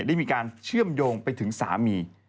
ได้มีการเชื่อมโยงไปถึงสามี